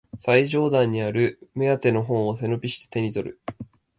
最上段にある目当ての本を背伸びして手にとる